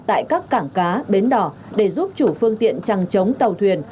tại các cảng cá bến đỏ để giúp chủ phương tiện trăng chống tàu thuyền